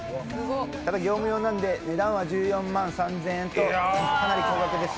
ただ業務用なんで値段は１４万３０００円とかなり高額。